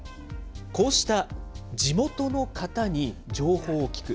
こうした地元の方に情報を聞く。